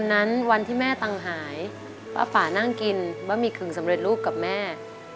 เย็นวันที่แม่ตังนั้นหายป๊าป่านั่งกินว่ามีครื่องสำเร็จลูกกับแม่